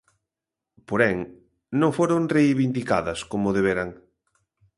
Porén, non foron reivindicadas como deberan.